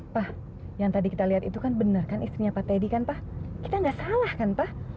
pak yang tadi kita lihat itu kan benar kan istrinya pak teddy kan pak kita nggak salah kan pak